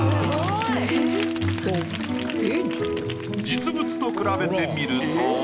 実物と比べてみると。